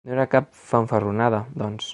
No era cap fanfarronada, doncs.